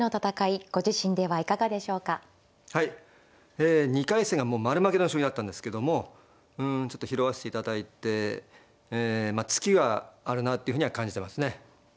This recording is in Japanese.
ええ２回戦が丸負けの将棋だったんですけどもうんちょっと拾わせていただいてツキはあるなっていうふうには感じてますね。